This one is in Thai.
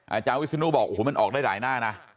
อาจารย์วิศนุบอกโอ้โหมันออกได้หลายหน้านะ